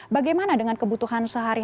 bagaimana dengan kebutuhan sehari